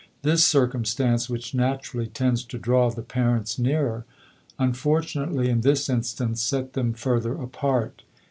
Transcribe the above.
This cir cumstance, which naturally tends to draw the parents nearer, unfortunately in this instance set them further apart.